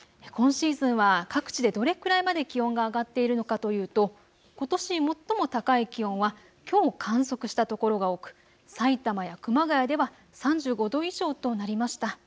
今シーズンは各地でどれくらいまで気温が上がっているのかというと、ことし最も高い気温はきょう、観測したところが多くさいたまや熊谷では３５度以上となりました。